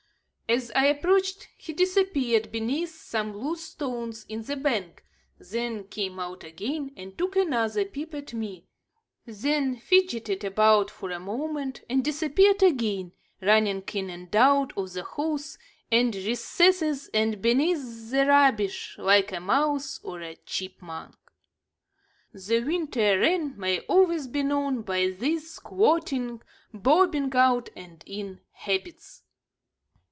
As I approached he disappeared beneath some loose stones in the bank, then came out again and took another peep at me, then fidgeted about for a moment and disappeared again, running in and out of the holes and recesses and beneath the rubbish like a mouse or a chipmunk. The winter wren may always be known by these squatting, bobbing out and in habits.